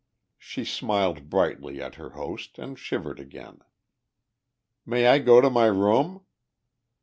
She smiled brightly at her host and shivered again. "May I go right to my room?"